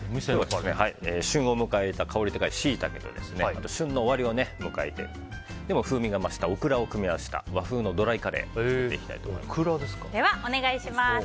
旬を迎えた香り高いシイタケと旬の終わりを迎えているでも風味が増したオクラを組み合わせた和風のドライカレーをでは、お願いします。